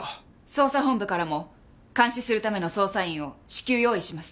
捜査本部からも監視するための捜査員を至急用意します。